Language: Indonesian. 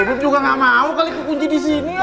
ibu juga nggak mau kali kekunci di sini lah